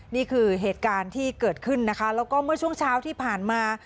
นี่คือเหตุการณ์ที่เกิดขึ้นนะคะแล้วก็เมื่อช่วงเช้าที่ผ่านมา